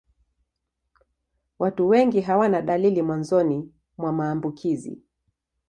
Watu wengi hawana dalili mwanzoni mwa maambukizi.